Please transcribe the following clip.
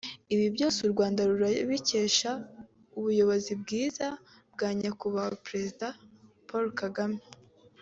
ibi byose u Rwanda rurabikesha ubuyobozi bwiza bwa Nyakubahwa Perezida Paul Kagame